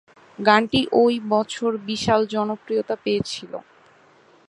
গানটি ওই বছর বিশাল জনপ্রিয়তা পেয়েছিল।